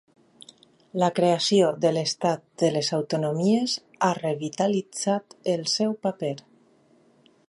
La creació de l'estat de les autonomies ha revitalitzat el seu paper.